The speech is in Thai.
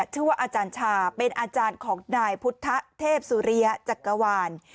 ชื่อว่าอาจารย์ชาเป็นอาจารย์ของนายพุทธเทพสุริยจักรวาล